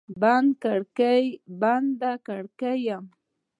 بنده کړکۍ یم